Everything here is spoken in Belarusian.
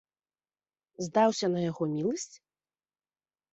Здаўся на яго міласць?